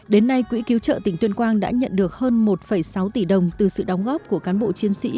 đến nay quỹ cứu trợ tỉnh tuyên quang đã nhận được hơn một sáu tỷ đồng từ sự đóng góp của cán bộ chiến sĩ